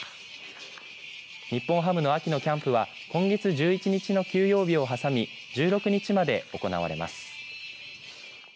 日本ハムの秋のキャンプは今月１１日の休養日を挟み１６日まで行われます。